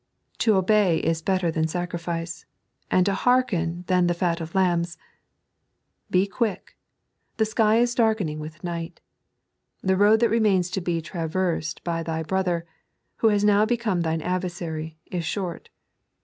To obey is better than sacrifice, and to hearken than the fat of lambs. Be quick. The sky is darkening with night. The road that remains to be traversed by tby brother, who has now become thine adversary, is short.